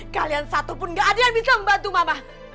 kalian satu pun gak ada yang bisa membantu mama